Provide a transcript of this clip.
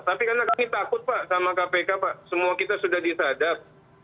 tapi karena kami takut pak sama kpk pak semua kita sudah disadap